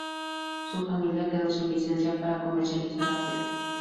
Su familia quedó sin licencia para comercializar aperos.